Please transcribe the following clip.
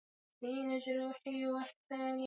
Katika uzinduzi huo umehusisha taasisi tatu za Wizara